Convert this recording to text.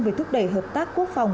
về thúc đẩy hợp tác quốc phòng